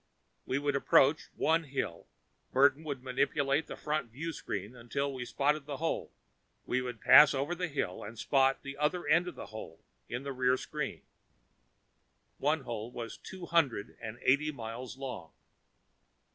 We would approach one hill Burton would manipulate the front viewscreen until we spotted the hole we would pass over the hill and spot the other end of the hole in the rear screen. One hole was two hundred and eighty miles long.